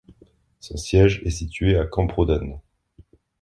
Son siège est situé à Camprodon.